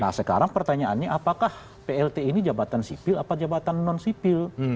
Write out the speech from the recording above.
nah sekarang pertanyaannya apakah plt ini jabatan sipil atau jabatan non sipil